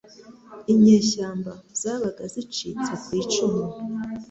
inyeshyamba zabaga zicitse ku icumu